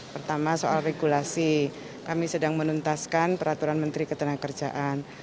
pertama soal regulasi kami sedang menuntaskan peraturan menteri ketenagakerjaan